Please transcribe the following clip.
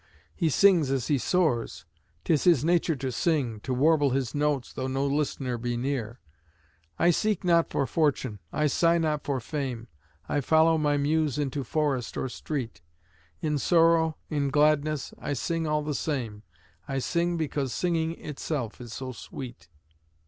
He sings as he soars; 'tis his nature to sing, To warble his notes though no listener be near. I seek not for fortune, I sigh not for fame, I follow my Muse into forest or street; In sorrow, in gladness, I sing all the same, I sing because singing itself is so sweet.